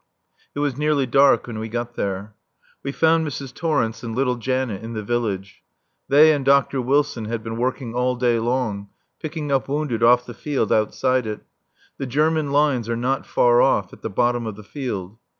It was nearly dark when we got there. We found Mrs. Torrence and little Janet in the village. They and Dr. Wilson had been working all day long picking up wounded off the field outside it. The German lines are not far off at the bottom of the field.